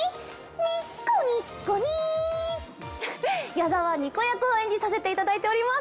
矢澤にこ役を演じさせていただいております。